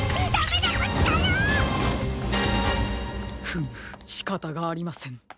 フムしかたがありません。